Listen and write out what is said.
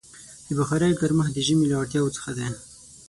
د بخارۍ ګرمښت د ژمي له اړتیاوو څخه دی.